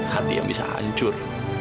hati yang bisa hancur